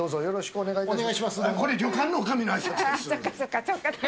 お願いします。